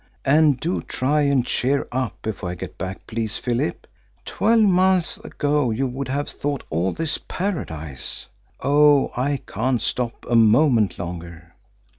And do try and cheer up before I get back, please, Philip. Twelve months ago you would have thought all this Paradise. Oh, I can't stop a moment longer!"